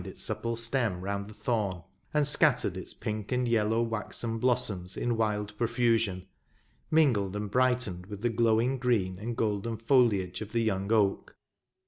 Its supple stem round the thorn, and scattered its pink and yellow waxen blossoms in wild profusion, mingled and brightened with the glowing green and golden foliage of the young oak.